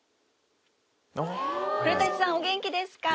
古さんお元気ですか！